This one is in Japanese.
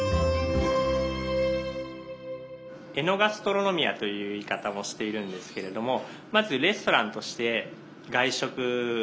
「エノガストロノミア」という言い方をしているんですけれどもまずレストランとして外食を楽しんで頂ける。